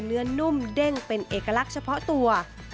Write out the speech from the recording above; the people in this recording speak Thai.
นุ่มเด้งเป็นเอกลักษณ์เฉพาะตัว